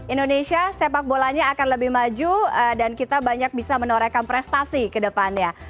indonesia sepak bolanya akan lebih maju dan kita banyak bisa menorehkan prestasi ke depannya